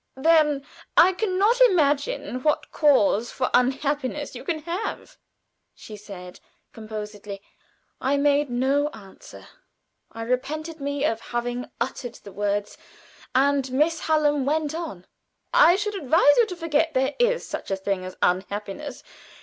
"Then I can not imagine what cause for unhappiness you can have," she said, composedly. I made no answer. I repented me of having uttered the words, and Miss Hallam went on: "I should advise you to forget that there is such a thing as unhappiness.